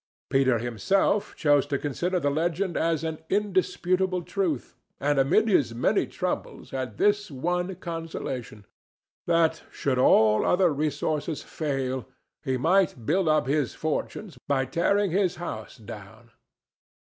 Peter himself chose to consider the legend as an indisputable truth, and amid his many troubles had this one consolation—that, should all other resources fail, he might build up his fortunes by tearing his house down.